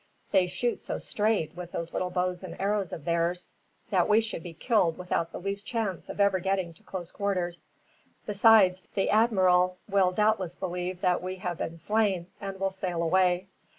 They shoot so straight, with those little bows and arrows of theirs, that we should be killed without the least chance of ever getting to close quarters. Besides, the admiral will doubtless believe that we have been slain, and will sail away.